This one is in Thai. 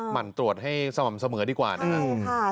มันตรวจให้สม่ำเสมอดีกว่านะครับ